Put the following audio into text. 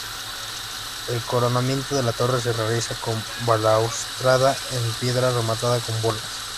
El coronamiento de la torre se realiza con balaustrada en piedra rematada con bolas.